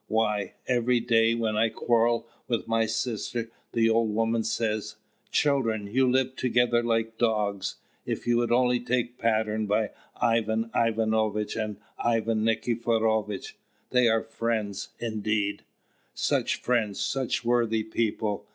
Why, every day, when I quarrel with my sister, the old woman says, 'Children, you live together like dogs. If you would only take pattern by Ivan Ivanovitch and Ivan Nikiforovitch, they are friends indeed! such friends! such worthy people!